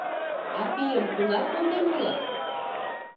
А пийым кунар конден улыт?